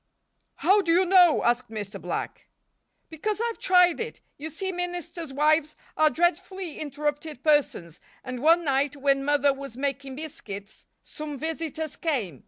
"How do you know?" asked Mr. Black. "Because I've tried it. You see, ministers' wives are dreadfully interrupted persons, and one night when Mother was making biscuits some visitors came.